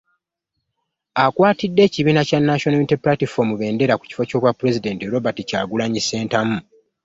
Akwatidde ekibiina kya National Unity Platform bbendera Ku kifo ky'Obwapulezidenti, Robert Kyagulanyi Ssentamu